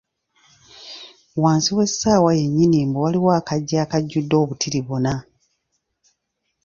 wansi w’essaawa yennyini mbu waliwo akaggi akajjudde obutiribona.